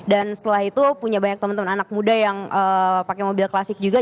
dan setelah itu punya banyak temen temen anak muda yang pakai mobil klasik juga